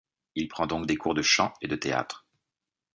Il prend donc des cours de chant et de théâtre.